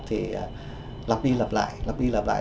thì lặp đi lặp lại